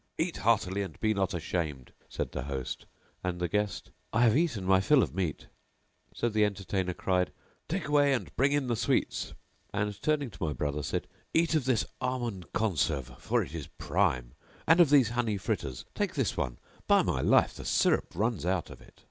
"Eat heartily and be not ashamed," said the host, and the guest, "I have eaten my fill of meat;" So the entertainer cried, "Take away and bring in the sweets;" and turning to my brother said, "Eat of this almond conserve for it is prime and of these honey fritters; take this one, by my life, the syrup runs out of it."